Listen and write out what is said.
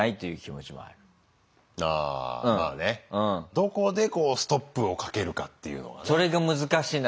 どこでストップをかけるかっていうのがね。